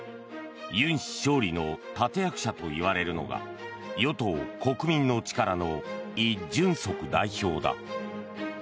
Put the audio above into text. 尹氏勝利の立役者といわれるのが与党・国民の力のイ・ジュンソク代表だ。